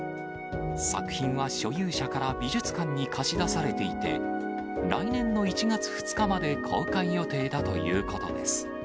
作品は所有者から美術館に貸し出されていて、来年の１月２日まで公開予定だということです。